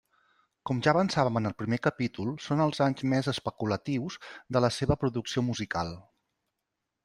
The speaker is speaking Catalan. Com ja avançàvem en el primer capítol, són els anys més «especulatius» de la seva producció musical.